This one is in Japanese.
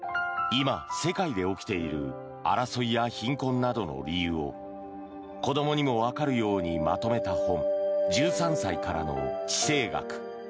今、世界で起きている争いや貧困などの理由を子どもにもわかるようにまとめた本「１３歳からの地政学」。